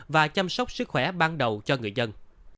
và chăm sóc sức khỏe ban đầu cho người dân